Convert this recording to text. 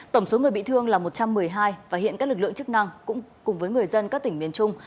tổng số người bị thương là một trăm một mươi hai và hiện các lực lượng chức năng cũng cùng với người dân các tỉnh miền trung